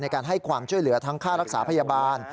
การให้ความช่วยเหลือทั้งค่ารักษาพยาบาล